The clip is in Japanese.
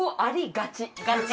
がち。